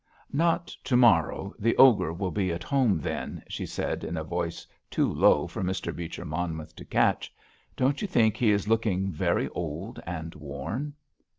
"Not to morrow, the 'Ogre' will be at home then," she said, in a voice too low for Mr. Beecher Monmouth to catch. "Don't you think he is looking very old and worn?"